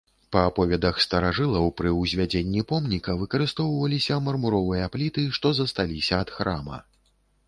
Па аповедах старажылаў, пры ўзвядзенні помніка выкарыстоўваліся мармуровыя пліты, што засталіся ад храма.